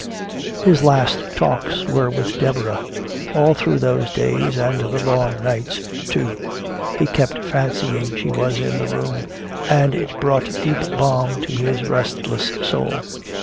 His last talks were with Deborah. All through those days and the long nights, too, he kept fancying she was in the room, and it brought deep balm to his restless soul.